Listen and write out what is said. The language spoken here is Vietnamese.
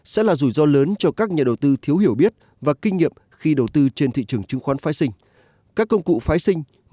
sẽ là rủi ro lớn cho các nhà đầu tư thiếu hiểu biết và kinh nghiệm khi đầu tư trên thị trường chứng khoán phái sinh